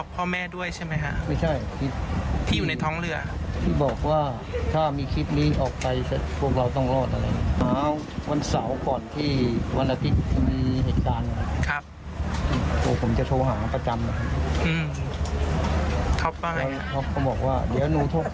พี่บอกว่าถ้ามีคลิปนี้ออกไปกันพวกเราต้องรอดเลย